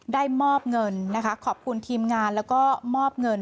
มอบเงินนะคะขอบคุณทีมงานแล้วก็มอบเงิน